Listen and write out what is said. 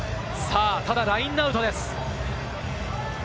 ただラインアウトです。